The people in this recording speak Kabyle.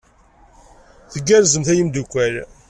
Tgerrzem a imeddukal?